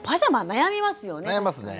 悩みますね。